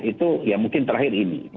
itu ya mungkin terakhir ini